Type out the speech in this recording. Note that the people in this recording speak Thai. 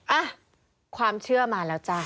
อ่ะความเชื่อมาแล้วจ้ะ